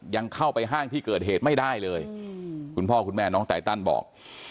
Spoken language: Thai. ยังเข้าไปห้างที่เกิดเหตุไม่ได้เลยคุณพ่อคุณแม่น้องไตตันบอก